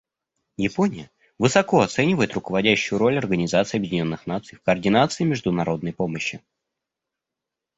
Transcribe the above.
Япония высоко оценивает руководящую роль Организации Объединенных Наций в координации международной помощи.